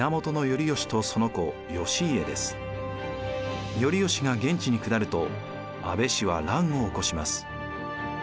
頼義が現地に下ると安倍氏は乱を起こします。